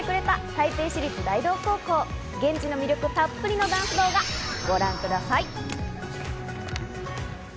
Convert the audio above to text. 現地の魅力たっぷりのダンス動画ご覧ください。